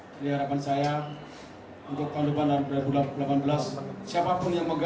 jadi harapan saya untuk tahun depan tahun berikutnya kalau tidak saya akan berjaga jaga